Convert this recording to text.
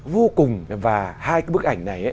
vô cùng và hai cái bức ảnh này